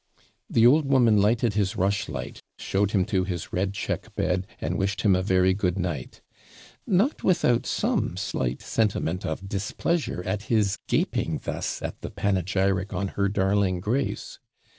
The old woman lighted his rushlight, showed him to his red check bed, and wished him a very good night; not without some slight sentiment of displeasure at his gaping thus at the panegyric on her darling Grace.